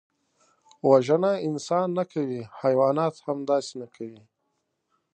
وژنه انسان نه کوي، حیوانات هم داسې نه کوي